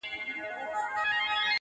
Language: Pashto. يو نه شل ځلي په دام كي يم لوېدلى.!